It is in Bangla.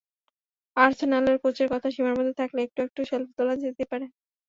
আর্সেনালের কোচের কথা, সীমার মধ্যে থাকলে এক-আধটু সেলফি তোলা যেতেই পারে।